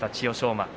馬。